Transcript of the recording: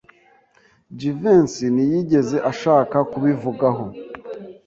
Jivency ntiyigeze ashaka kubivugaho.